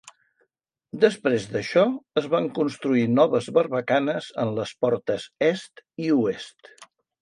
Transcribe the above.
Després d'això, es van construir noves barbacanes en les portes est i oest.